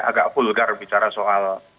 agak vulgar bicara soal